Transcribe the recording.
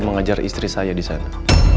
mengajar istri saya disana